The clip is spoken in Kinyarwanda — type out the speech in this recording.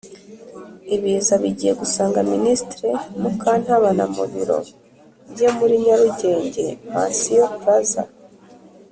Ibiza bigiye gusanga Ministre Mukantabana mubiro bye muli Nyarugenge Pension Plazza.